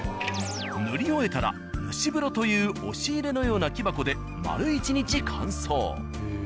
塗り終えたら塗師風呂という押し入れのような木箱で丸一日乾燥。